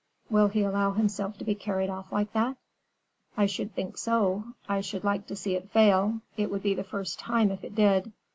"Will he allow himself to be carried off like that?" "I should think so! I should like to see it fail. It would be the first time, if it did.